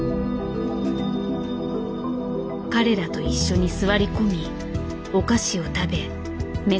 彼らと一緒に座り込みお菓子を食べ目線を同じ高さに合わせた。